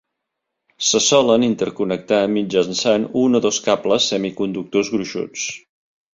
Se solen interconnectar mitjançant un o dos cables semiconductors gruixuts.